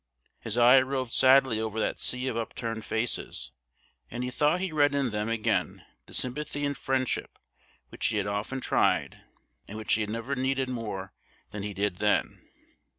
His eye roved sadly over that sea of upturned faces; and he thought he read in them again the sympathy and friendship which he had often tried, and which he never needed more than he did then.